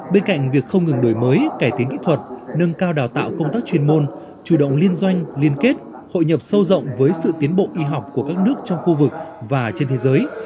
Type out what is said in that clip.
bên cạnh việc không ngừng đổi mới cải tiến kỹ thuật nâng cao đào tạo công tác chuyên môn chủ động liên doanh liên kết hội nhập sâu rộng với sự tiến bộ y học của các nước trong khu vực và trên thế giới